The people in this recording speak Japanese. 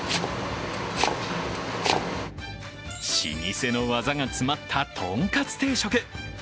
老舗の技が詰まったとんかつ定食。